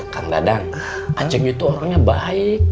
kang dadang acing itu orangnya baik